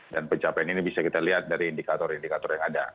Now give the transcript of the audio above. dan pencapaian ini bisa kita lihat dari indikator indikator yang ada